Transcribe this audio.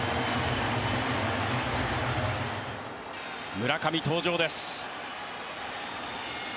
村上登場です。